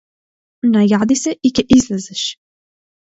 Најади се и ќе излезеш.